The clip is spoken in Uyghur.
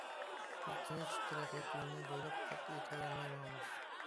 بىز تىنچ تەرەققىيات يولىنى بويلاپ قەتئىي تەۋرەنمەي ماڭىمىز.